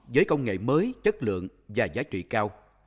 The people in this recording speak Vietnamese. với công nghệ mới chất lượng và giá trị cao